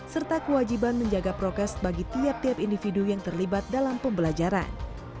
serta kewajiban menjaga prokes bagi tiap tiap individu yang terlibat dalam pembelajaran